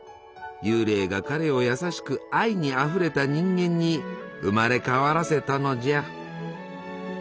幽霊が彼を優しく愛にあふれた人間に生まれ変わらせたのじゃ。